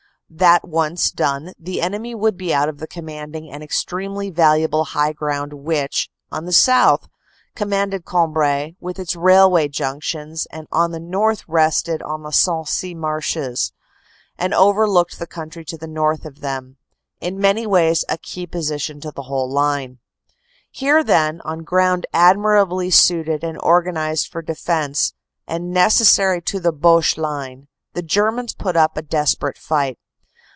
That once done, the enemy would be out of the com manding and extremely valuable high ground which, on the south, commanded Cambrai with its railway junctions, and on the north rested on the Sensee marshes and overlooked the country to the north of them. In many ways a key position to the whole line. "Here, then, on ground admirably suited and organized for defense, and necessary to the Boche line, the Germans put up a desperate fight.